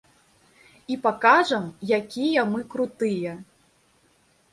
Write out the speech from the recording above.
І пакажам, якія мы крутыя.